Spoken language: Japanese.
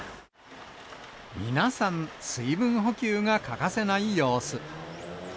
皆さん、水分補給が欠かせない様子。